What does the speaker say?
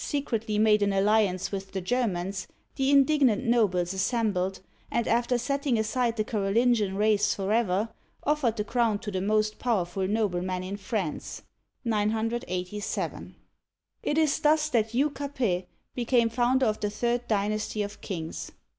secretly made an alliance with the Germans, the indignant nobles assembled, and after setting aside the Carolingian race forever, offered the crown to the most powerful nobleman in France (987). uigiTizea Dy vjiOOQlC HUGH CAPET (987 996) 99 It IS thus that Hugh Capet became founder of the third dynasty of kings.